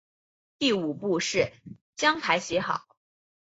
第五步是将牌写好。